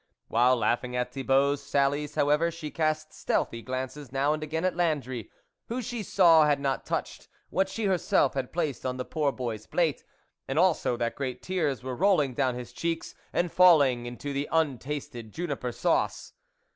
While laughing at Thibault's sallies, however, she cast stealthy glances now and again at Landry, who she saw had not touched what she herself had placed on the poor boy's plate, and also that great tears were rolling down his cheeks, and falling into the untasted juniper sauce.